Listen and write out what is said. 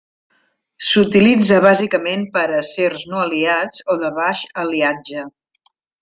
S'utilitza bàsicament per a acers no aliats o de baix aliatge.